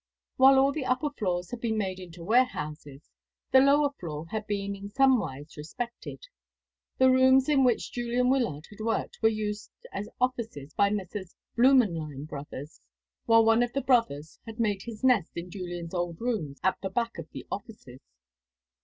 While all the upper floors had been made into warehouses, the lower floor had been in somewise respected. The rooms in which Julian Wyllard had worked were used as offices by Messrs. Blümenlein Brothers, while one of the brothers had made his nest in Julian's old rooms at the back of the offices.